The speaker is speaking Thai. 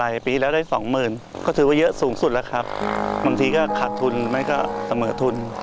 ใช่ปีแล้วได้สองหมื่นก็ถือว่าเยอะสูงสุดแล้วครับบางทีก็ขาดทุนมันก็เสมอทุน